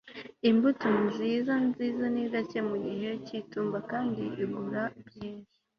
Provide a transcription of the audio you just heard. imbuto nziza nziza ni gake mu gihe cy'itumba kandi igura byinshi